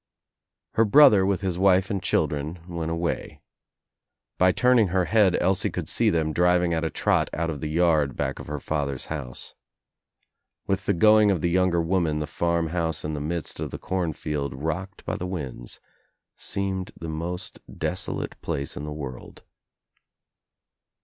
Her brother with his wife and children went away. By turning her head Elsie could see them driving at a trot out of the yard back of her father's house. " With the going of the younger woman the farm house in the midst of the cornfield rocked by the winds seemed the most desolate place in the world.